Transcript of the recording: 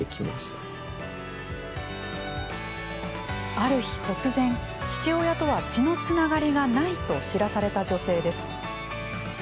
ある日突然、父親とは血のつながりがないと知らされた女性です。